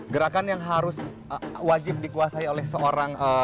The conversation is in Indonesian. gerakan yang harus wajib dikuasai oleh seorang